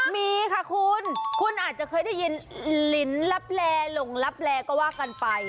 มีค่ะคุณคุณอาจจะเคยได้ยินลินลับแลหลงลับแลก็ว่ากันไป